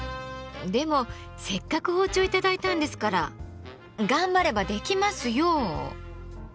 でもせっかく包丁頂いたんですから頑張ればできますよ。